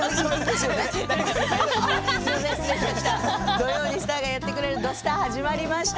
土曜にスターがやってくる「土スタ」始まりました。